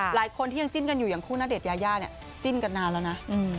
หลายคนที่ยังจิ้นกันอยู่อย่างคู่ณเดชนยายาเนี่ยจิ้นกันนานแล้วนะ